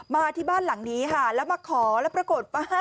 มาที่บ้านหลังนี้ค่ะแล้วมาขอแล้วปรากฏว่า